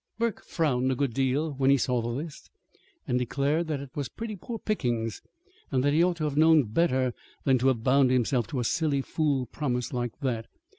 Burke frowned a good deal when he saw the list, and declared that it was pretty poor pickings, and that he ought to have known better than to have bound himself to a silly fool promise like that.